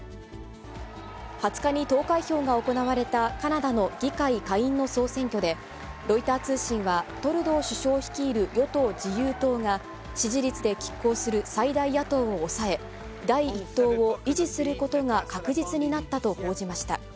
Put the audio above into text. ２０日に投開票が行われたカナダの議会下院の総選挙で、ロイター通信は、トルドー首相率いる与党・自由党が、支持率できっ抗する最大野党を抑え、第１党を維持することが確実になったと報じました。